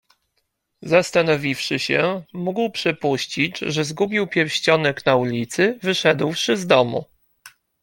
"Zastanowiwszy się, mógł przypuścić, że zgubił pierścionek na ulicy, wyszedłszy z domu."